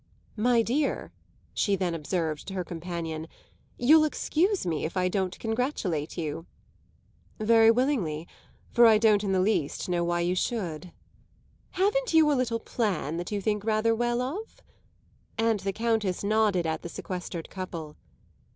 "My dear," she then observed to her companion, "you'll excuse me if I don't congratulate you!" "Very willingly, for I don't in the least know why you should." "Haven't you a little plan that you think rather well of?" And the Countess nodded at the sequestered couple.